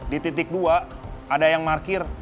di titik dua ada yang parkir